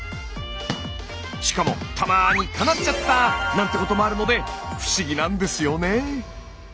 しかもたまになんてこともあるので不思議なんですよね。